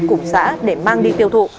cùng xã để mang đi tiêu thụ